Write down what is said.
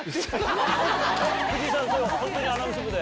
藤井さんそれ本当にアナウンス部で？